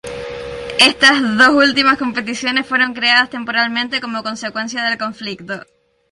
Estas dos últimas competiciones fueron creadas temporalmente como consecuencia del conflicto.